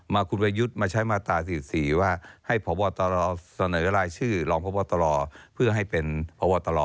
มาคุณประยุทธ์มาใช้มาตรา๔๔ว่าให้พบตรเสนอรายชื่อรองพบตรเพื่อให้เป็นพบตร